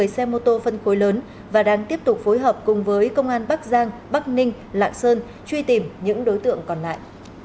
một mươi xe mô tô phân khối lớn và đang tiếp tục phối hợp cùng với công an bắc giang bắc ninh lạng sơn truy tìm những đối tượng còn lại